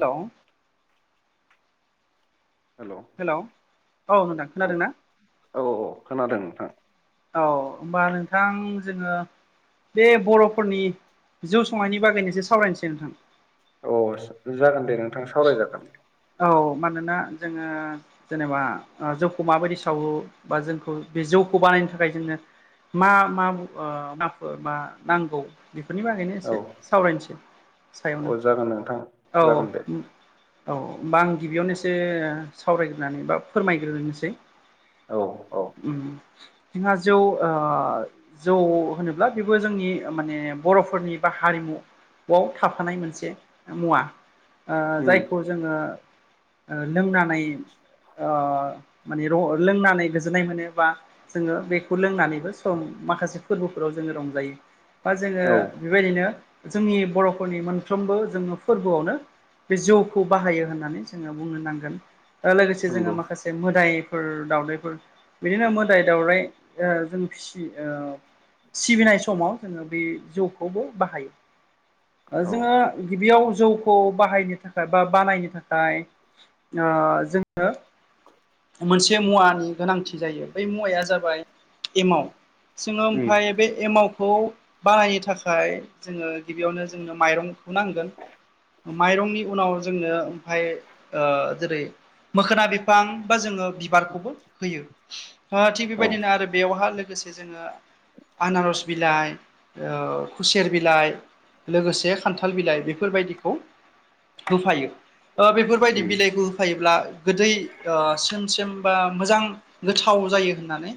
हेल' हेल' औ नोंथां खोनादों ना? औ औ खोनादों नोंथां। औ होमबा नोंथां जोङो बे बर'फोरनि जौ संनायनि बागै मोनसे सावरायनोसै नोंथां। अ जागोन दे नोंथां सावरायजागोन। औ मानोना जोङो जेनेबा जौखौ माबायदि सावो बा जोंखौ बे जौखौ बानायनो थाखाय जोङो मा -मा मुवाफोर नांगौ बेफोरनि बागैनो औ एसे सावरायनोसै सायावनो। औ जागोन नोंथां औ जागोन दे औ होमबा आं गिबियावनो एसे सावरायग्रोनानै बा फोरमायग्रोनोसै औ औ उम जोंहा जौ ओ जौ होनोब्ला बेबो जोंनि माने बर'फोरनि बा हारिमु बाव थाफानाय मोनसे मुवा ओ उम जायखौ जोङो लोंनानै ओ माने लोंनानै गोजोननाय मोनो बा जोङो बेखौ लोंनानैबो सम माखासे फोरबोफोराव जोङो रंजायो। बा जोङो औ बेबायदिनो जोंनि बर'फोरनि मोनफ्रोमबो जोङो फोरबोआवनो बे जौखौ बाहायो होननानै जोङो बुंनो नांगोन। आरो लोगोसे जोङो नंगौ माखासे मोदायफोर दाउदैफोर बिदिनो मोदाय -दाउराइ जों फिसियो ओ सिबिनाय समाव जोङो बे जौखौबो बाहायो। औ जोङो गिबियाव जौखौ बाहायनो थाखाय बा बानायनो थाखाय ओ जोङो मोनसे मुवानि गोनांथि जायो बै मुवाया जाबाय एमाव। जोङो उम ओमफाय बे एमावखौ बानायनो थाखाय जोङो गिबियावनो जोंनो माइरंखौ नांगोन। माइरंनि उनाव जोंनो ओमफाय जेरै- मोखोना बिफां बा जोङो बिबारखौबो होयो। थिग औ बेबायदिनो आरो बेयावहा लोगोसे जोङो आनारस बिलाइ, खुसेर बिलाइ लोगोसे खान्थाल बिलाइ बेफोरबायदिखौ होफायो। ओ बेफोरबायदि उम बिलाइखौ होफायोब्ला गोदै समसिम बा मोजां गोथाव जायो होननानै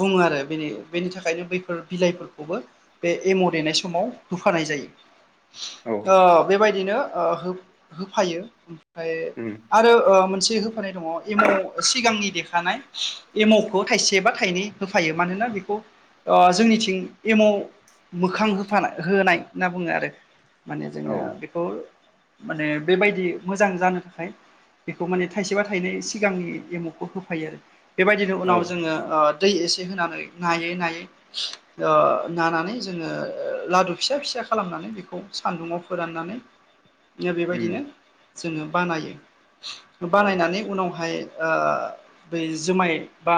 बुङो। आरो बेनि बेनि थाखायनो बैफोर बिलाइफोरखौबो बे एम' देनाय समाव होफानाय जायो। औ ओ बेबायदिनो ओ होफायो ओमफाय उम आरो ओ मोनसे होफानाय दङ एमाव सिगांनि देखानाय एमावखौ थाइसे बा थाइनै होफायो मानोना बेखौ जोंनिथिं एमाव मोखां होफानाय होनाय होनना बुङो आरो। माने औ जोङो बेखौ माने बेबायदि मोजां जानो थाखाय बेखौ माने थाइसेबा थाइनै सिगांनि एमावखौ होफायो आरो बेबायदिनो औ उनाव जोङो ओ दै एसे होनानै नायै, नायै नानानै जोङो लादु फिसा- फिसा खालामनानै बेखौ सान्दुंआव फोराननानै उम बेबायदिनो जोङो बानायो औ बानायनानै उनावहाय बै जुमाय बा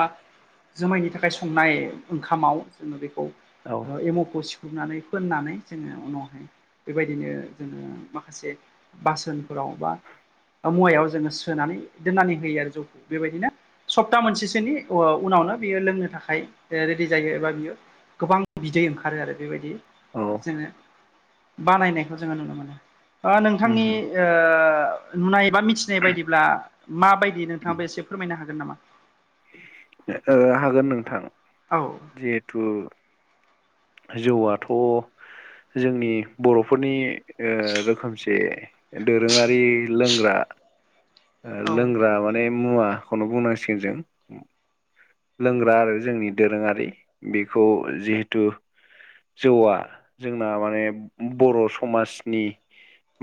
जोमायनि थाखाय संनाय ओंखामाव जोङो बेखौ औ एम'खौ सिफ्रुनानै फोननानै जोङो उनावहाय बेबायदिनो जोङो माखासे बासोनफोराव बा। मुवायाव जोङो सोनानै दोन्नानै होयो आरो जौखौ बेबायदिनो सप्ता मोनसेसोनि उ-उनावनो बियो लोंनो थाखाय ओ रेडि जायो एबा बियो गोबां बिदै ओंखारो आरो बेबायदि। औ जोङो बानायनायखौ जोङो नुनो मोनो ओ उम नोंथांनि ओ नुनाय बा मिथिनाय बायदिब्ला माबायदि नोंथाङाबो एसे फोरमायनो हागोन नामा? ओ हागोन नोंथां। औ। जिहेथु। जौआथ' जोंनि बर'फोरनि ओ रोखोमसे। दोरोङारि लोंग्रा। ओ औ लोंग्रा माने मुवाखौनो बुंनांसिगोन जों। लोंग्रा आरो जोंनि दोरोङारि बेखौ जिहेथु। जौआ जोंना माने बर' समाजनि।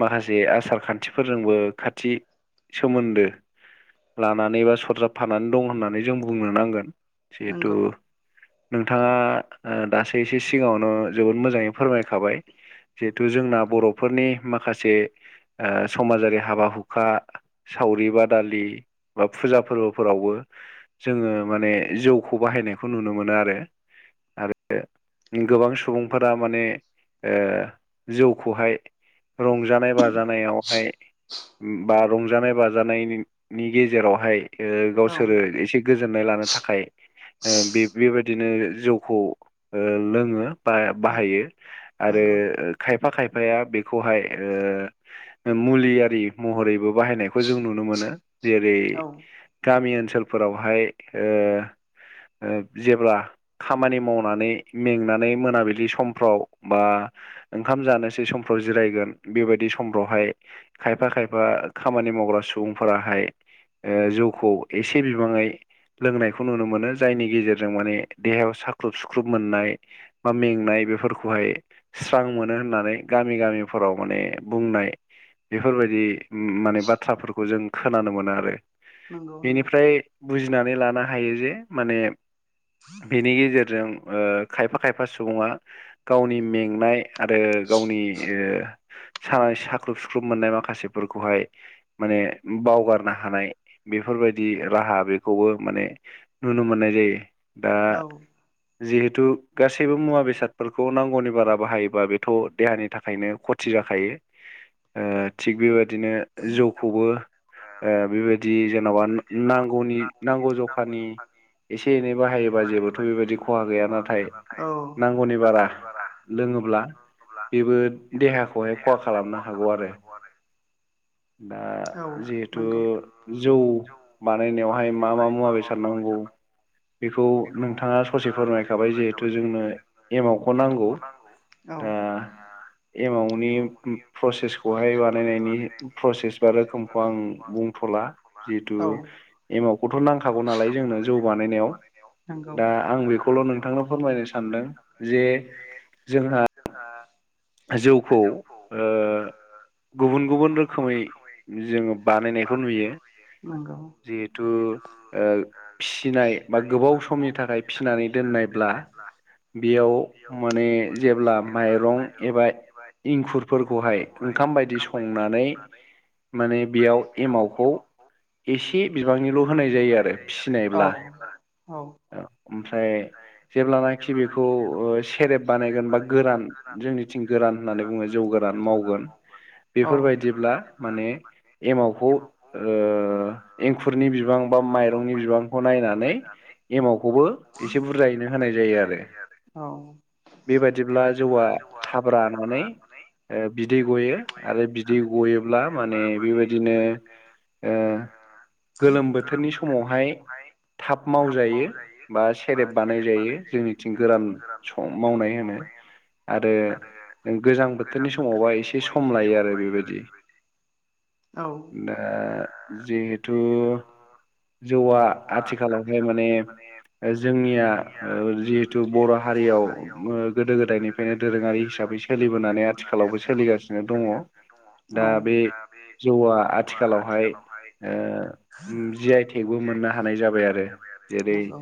माखासे आसार खान्थिफोरजोंबो खाथि सोमोन्दो। लानानै बा सरजाबफानानै दं होननानै जों बुंनो नांगोन जिहेथु नंगौ नोंथाङा ओ दासो एसे सिगाङावनो जोबोद मोजाङै फोरमायखाबाय। जिहेथु जोंना बर'फोरनि माखासे ओ समाजारि हाबा-हुखा। सावरि बादालि बा फुजा फोर्बोफोरावबो जोङो माने जौखौ बाहायनायखौ नुनो मोनो आरो-आरो गोबां सुबुंफोरा माने औ जौखौहाय रंजानाय बाजानायावहाय। बा रंजानाय बाजानायनि-नि गेजेरावहाय ओ औ गावसोरो एसे नाय लानो थाखाय ओ बे-बेबायदिनो जौखौ ओ लोङो। बा-बाहायो आरो नंगौ खायफा खायफाया बेखौहाय ओ मुलियारि महरैबो बाहायनायखौ जों नुनो मोनो। औ जेरै- गामि ओनसोलफोरावहाय ओ ओब जेब्ला खामानि मावनानै मेंनानै मोनाबिलि समफ्राव बा ओंखाम जानोसै समफ्राव जिरायगोन बेबायदि समफ्रावहाय खायफा खायफा खामानि मावग्रा सुबुंफोराहाय। ओ जौखौ एसे बिबाङै। लोंनायखौ नुनो मोनो जायनि गेजेरजों माने देहायाव साख्रुब सुख्रुब मोननाय। बा मेंनाय बेफोरखौहाय। स्रां मोनो होननानै गामि गामिफोराव माने बुंनाय। बेफोरबायदि म-माने बाथ्राफोरखौ जों खोनानो मोनो आरो। नंगौ नंगौ बेनिफ्राय बुजिनानै लानो हायो जे माने बेनि गेजेरजों ओ खायफा-खायफा सुबुङा गावनि मेंनाय। आरो गावनि ओ सानाय साख्रुब-सुख्रुब मोननाय माखासेफोरखौहाय माने बावगारनो हानाय बेफोरबायदि राहा बे खौबो माने नुनो मोननाय जायो दा औ जिहेथु गासैबो मुवा बेसादफोरखौ नांगौनि बारा बाहायोबा बेथ' देहानि थाखायनो खथि जाखायो। [unintelligible] ओ थिग बेबादिनो जौखौबो ओ बेबायदि जों नावान ना-नांगौनि। नांगौ जखानि एसे-एनै बाहायोबा जेबोथ' बेबायदि खहा गैया नाथाय नांगौनि बारा लोङोब्ला बेबो देहा हये खहा खालामनो हागौ आरो। दा औ जिहेथु। नंगौ जौ बानायनायावहाय मा-मा मुवा बेसाद नांगौ। बेखौ नोंथाङा ससे फोरमायखाबाय जिहेथु जोंनो एमावखौ नांगौ। औ। दा एमावनि प्रसेसखौहाय बानायनायनि प्रसेस बा रोखोमखौ आं बुंथ'ला जि न्थु औ एमावखौथ' नांखागौ नालाय जोंनो जौ बानायनायाव। नंगौ दा आं बेखौल' नोंथांनो फोरमायनो सानदों जे जोंहा जोंहा जौखौ ओ गुबुन गुबुन रोखोमै जोङो बानायनायखौ नुयो। नोंगौ। जिहेथु ओ फिनाय बा गोबाव समनि थाखाय फिनानै दोननायब्ला [inaudible] बेयाव माने जेब्ला माइरं एबा इंखुरफोरखौहाय ओंखाम बायदि संनानै माने बेयाव एमावखौ एसे बिबांनिल' होनाय जायो आरो औ फिसिनायब्ला। औ ओ ओमफ्राय जेब्लानाखि बेखौ ओ सेरेब बानायगोन बा गोरान जोंनि थिं गोरान होननानै बुङो जौ गोरान मावगोन औ बेफोरबायदिब्ला माने एमावखौ ओ ओ एंखुरनि बिबां बा माइरंनि बिबांखौ नायनानै एमावखौबो एसे बुरजायैनो होनाय जायो आरो। औ बेबादिब्ला जौआ थाब रानानै ओ बिदै गयो आरो बिदै गयोब्ला माने बेबायदिनो ओ गोलोम बोथोरनि समावहाय थाब मावजायो बा सेरेब बानायजायो जोंनिथिं गोरान स मावनाय होनो। आरो गोजां बोथोरनि समावबा एसे सम लायो आरो बेबायदि। औ। ओ जिहेथु जौआ आथिखालावहाय माने ओ जोंनिया ओ जिहेथु बर' हारियाव ओ गोदो गोदायनिफ्रायनो दोरोङारि हिसाबै सोलिबोनानै आथिखालावबो सोलिगासिनो दङ दा बे औ। जौआ आथिखालावहाय ओ उम जि आइटेकबो मोननो हानाय जाबाय आरो। जेरै नंगौ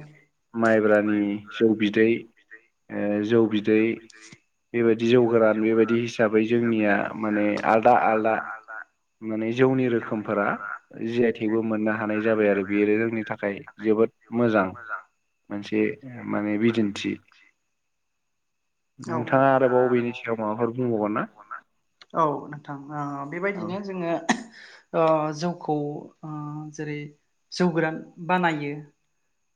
माइब्रानि जौ बिदै ओ जौ बि जौ बिदै बेबायदि जौ गोरान बेबायदि हिसाबै जोंनिया माने आलदा आलदा माने जौनि रोखोमफोरा जि आइ थगेबो मोननो हानाय जाबाय आरो बेयो जोंनि थाखाय जोबोद मोजां मोनसे माने बिदिन्थि। औ नोंथाङा आरोबाव बेनि सायाव माबाफोर बुंबावगोन ना? औ नोंथां ओ औ बेबायदिनो जोङो अ जौखौ ओ जेरै जौ गोरान बानायो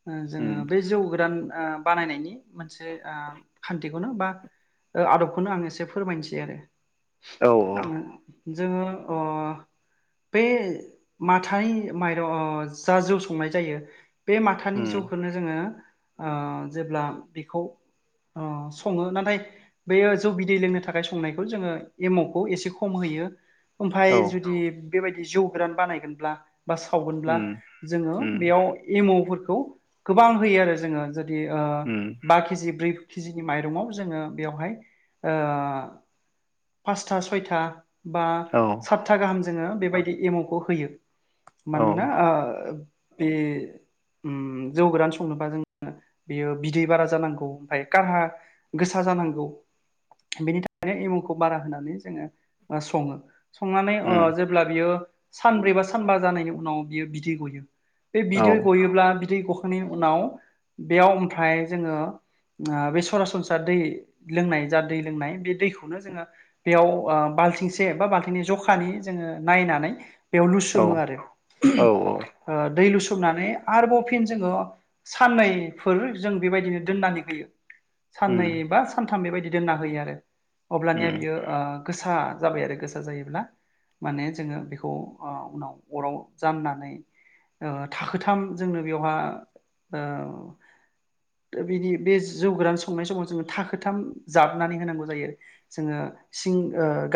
ओ जोङो उम बे जौ गोरान ओ बानायनायनि मोनसे ओम खान्थिखौनो बा ओ आदबखौनो आं एसे फोरमायनोसै आरो। औ औ। औ जोङो अह बे माथानि माइरं जा जौ संनाय जायो बे माथानि उम जौखौनो जोङो ओ जेब्ला बेखौ अ सङो नाथाय बेयो जौ बिदै लोंनो थाखाय संनायखौ जोङो एमावखौ एसे खम होयो औ ओमफ्राय जुदि बेबायदि जौ गोरान बानायगोनब्ला बा सावगोनब्ला उम जोङो उम बेयाव एम अफोरखौ गोबां होयो आरो जोङो ज दि उम बा केजि ब्रै केजिनि माइरंङाव जोङो बेवहाय पासथा सयथा बा औ सातथा गाहाम जोङो बेबायदि एमावखौ होयो औ मानोना बे जौ गोरान संनोबा जोंङ बेयो बिदै बारा जानांगौ ओमफ्राय कारहा गोसा जानांगौ बेनि थाखायनो एमुखौ बारा होनानै जोङो सङो संनानै उम जेब्ला बियो सानब्रै बा सानबा जानायनि उनाव बियो बिदै गयो बे औ बिदै गयोब्ला बिदै नि उनाव बेयाव ओमफ्राय जोङो ओ बे सरासनस्रा दै लोंनाय जा दै लोंनाय बे दैखौनो जोङो बेयाव बाल्थिंसे बा बाल्थिंनि जखानि जोङो नायनानै बेयाव औ लुसोमो आरो औ दै लुसोमनानै आरोबाव फिन जोङो साननैफोर जों बेबायदिनो दोननानै होयो उम साननै बा सानथाम बेबायदि दोनना होयो आरो अब्लानिया उम बियो गोसा जाबाय आरो गोसा जायोब्ला माने जोङो बेखौ उनाव अराव जामनानै थाखोथाम जोंनो बेवहा ओ दा बिदि बे जौ गोरान संनाय समाव जोङो थाखोथाम जाबनानै होनांगौ जायो आरो जोङो सिं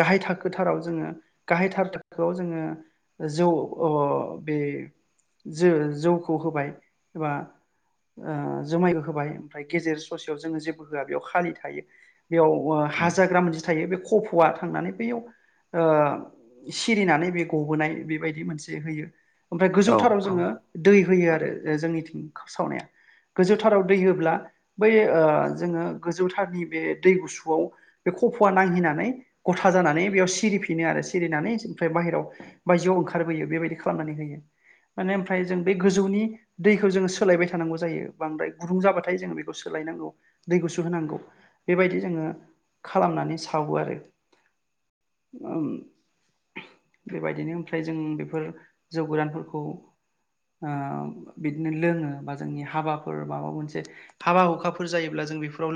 गाहाय थाखोथाराव जोङो गाहायथार थाखोआव जोङो जौ बे जो जौखौ होबाय एबा जुमायबो होबाय ओमफ्राय गेजेर ससेयाव जोङो जेबो होआ बेयाव खालि थायो बेयाव हाजाग्रा मानसि थायो बे कफ'आ थांनानै बैयाव सिरिनानै बे गबोनाय बेबायदि मोनसे होयो ओमफ्राय औ गोजौथाराव औ जोङो दै होयो आरो जोंनिथिं सावनाया गोजौथाराव दै होब्ला बै जोङो गोजौथारनि बे दै गुसुआव खफ'वा नांहैनानै गथा जानानै बेयाव सिरिफिनो आरो सिरिनानै ओमफ्राय बाहेरायाव बायजोआव ओंखारबोयो बेबायदि खालामनानै होयो माने ओमफ्राय जों बे गोजौनि दैखौ जोङो सोलायबाय थानांगौ जायो बांद्राय गुदुं जाबाथाय जोङो बेखौ सोलायनांगौ दै गुसु होनांगौ बेबायदि जोङो खालामनानै सावो आरो बेबायदिनो ओमफ्राय जों बेफोर जौ गोदानफोरखौ बिदिनो लोङो बा जोंनि हाबाफोर माबा मोनसे हाबा हुखाफोर जायोब्ला जों बेफोराव लोगो